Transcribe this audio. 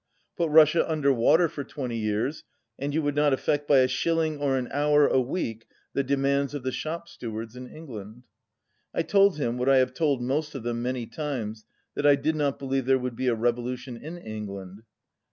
Put Russia under water for twenty years, and you would not affect by a shill ing or an hour a week the demands of the shop stewards in England." I told him, what I have told most of them many times, that I did not believe there would be a revo lution in England.